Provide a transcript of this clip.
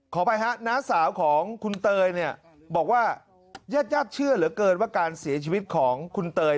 ไปฮะน้าสาวของคุณเตยเนี่ยบอกว่าญาติญาติเชื่อเหลือเกินว่าการเสียชีวิตของคุณเตย